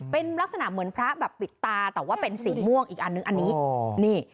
เป็นลักษณะเหมือนพระแบบปิดตาแต่ว่าเป็นสีม่วงอีกอันนึงอันนี้นี่